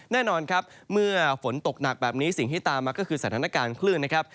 แน่นอนครับเมื่อฝนตกหนักแบบนี้สิ่งที่ตามมาก็คือสถานการณ์คลื่นนะครับ